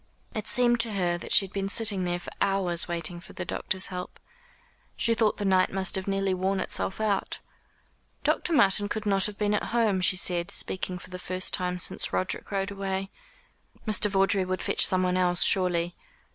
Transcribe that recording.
It seemed to her that she had been sitting there for hours waiting for the doctor's help. She thought the night must have nearly worn itself out. "Dr. Martin could not have been at home," she said, speaking for the first time since Roderick rode away. "Mr. Vawdrey would fetch someone else, surely."